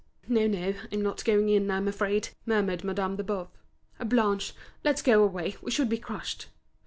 "No, no, I'm not going in, I'm afraid," murmured Madame de Boves. "Blanche, let's go away, we should be crushed."